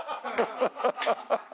ハハハハ！